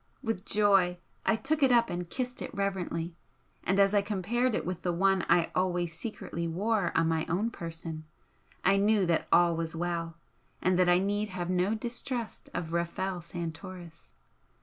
With joy I took it up and kissed it reverently, and as I compared it with the one I always secretly wore on my own person, I knew that all was well, and that I need have no distrust of Rafel Santoris.